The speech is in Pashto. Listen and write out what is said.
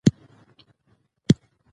پرېکړې باید د حق پر بنسټ وي